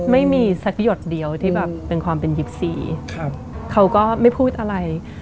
ไม่มีสักหยดเดียวที่แบบเป็นความเป็น๒๔เขาก็ไม่พูดอะไร